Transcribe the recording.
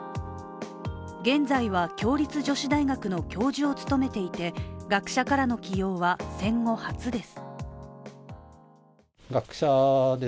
現在は共立女子大学の教授を務めていて学者からの起用は戦後初です。